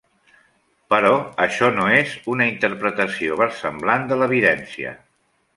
Però això no és una interpretació versemblant de l'evidència.